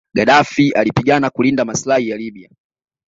Gadaffi alipigana kulinda maslahi ya Libya